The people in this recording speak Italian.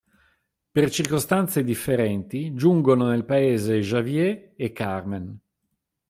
Per circostanze differenti giungono nel paese Javier e Carmen.